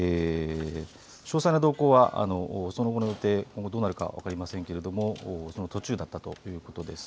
詳細な動向は、今後どうなるか分かりませんけれどもその途中だったということです。